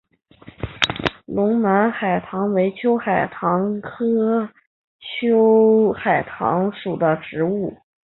隆安秋海棠为秋海棠科秋海棠属的植物。